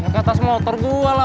ke atas motor gue lah